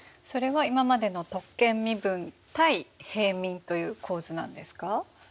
それは今までの特権身分対平民という構図なんですか？